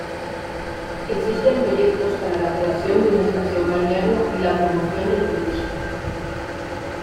Existen proyectos para la creación de una estación balnearia y la promoción del turismo.